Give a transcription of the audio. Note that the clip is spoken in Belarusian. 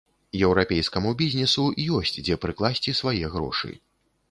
Еўрапейскаму бізнесу ёсць дзе прыкласці свае грошы.